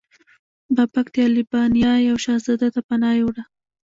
بابک د البانیا یو شهزاده ته پناه یووړه.